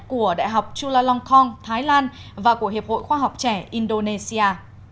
của đại học chulalongkorn thái lan và của hiệp hội khoa học trẻ indonesia